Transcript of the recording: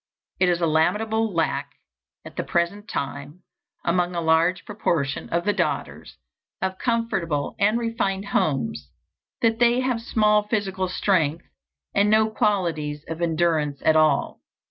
It is a lamentable lack at the present time among a large proportion of the daughters of comfortable and refined homes, that they have small physical strength and no qualities of endurance at all.